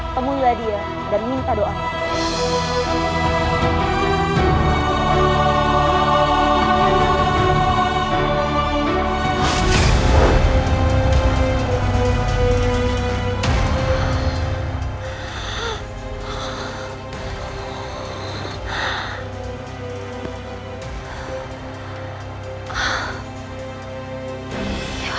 kemul repeatedly dan minta doaku